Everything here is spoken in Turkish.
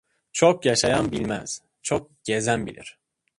Çok yaşayan bilmez, çok gezen bilir.